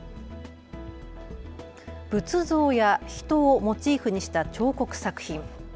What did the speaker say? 仏像や人をモチーフにした彫刻作品。